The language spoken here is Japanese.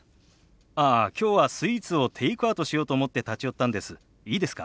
ああきょうはスイーツをテイクアウトしようと思って立ち寄ったんです。